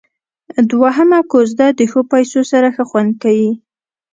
دوهمه کوزده د ښو پيسو سره ښه خوند کيي.